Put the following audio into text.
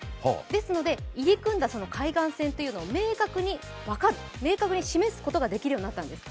ですので入り組んだ海岸線というのを明確に示すことができるようになったんです。